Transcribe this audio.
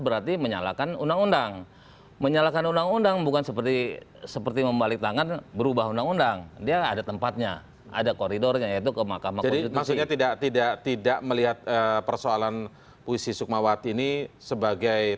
artinya ada unsur monafik di sini